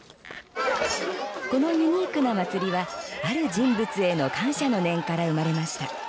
このユニークな祭りはある人物への感謝の念から生まれました。